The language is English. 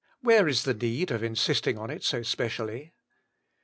where is the need of insisting on it so specially?